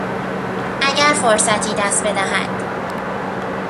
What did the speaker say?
اگر فرصتی دست بدهد